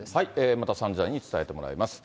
また３時台に伝えてもらいます。